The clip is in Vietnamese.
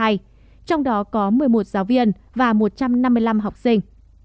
trong đó có một mươi một giáo viên và một trăm năm mươi năm học sinh